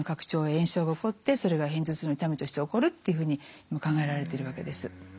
炎症が起こってそれが片頭痛の痛みとして起こるっていうふうに考えられているわけです。